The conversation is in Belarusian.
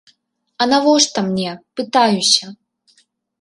А навошта мне, пытаюся.